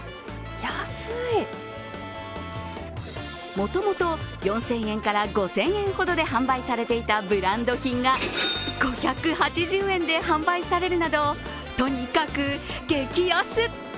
もともと４０００円から５０００円ほどで販売されていたブランド品が５８０円で販売されるなどとにかく激安！